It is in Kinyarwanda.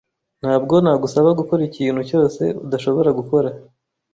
Ntabwo nagusaba gukora ikintu cyose udashobora gukora.